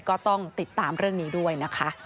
ก็ต้องติดตามเรื่องนี้ด้วยนะคะ